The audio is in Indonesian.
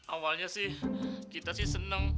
awalnya sih kita sih seneng